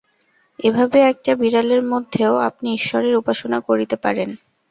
এভাবে একটা বিড়ালের মধ্যেও আপনি ঈশ্বরের উপাসনা করিতে পারেন।